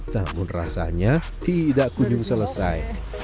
namun rasanya tidak kunjung selesai